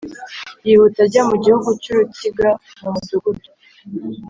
yihuta ajya mu gihugu cy urukiga mu mudugudu